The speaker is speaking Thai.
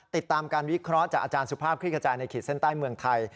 ติดตามการวิเคราะห์จากอาจารย์สุภาพคลิกกระจายในขีดเส้นใต้เมืองไทย